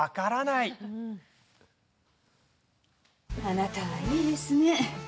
あなたはいいですね。